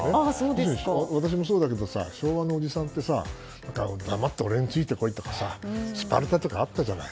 要するに、私もそうだけど昭和のおじさんって黙って俺についてこい！とかスパルタとか、あったじゃない。